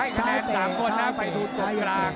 ให้แสดง๓คนนะไปทุกตรงกลาง